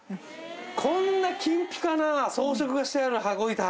こんな金ピカな装飾がしてある羽子板。